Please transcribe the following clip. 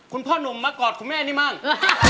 คุณพ่อหนุ่มมากอดคุณแม่นี่มั่ง